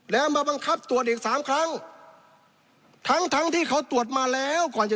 แล้วมาบังคับตรวจเด็กสามครั้งทั้งทั้งที่เขาตรวจมาแล้วก่อนจะ